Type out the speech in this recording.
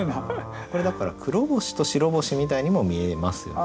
これだから黒星と白星みたいにも見えますよね。